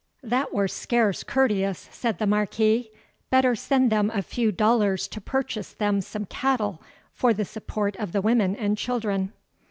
"That were scarce courteous," said the Marquis. "Better send them a few dollars to purchase them some cattle for the support of the women and children."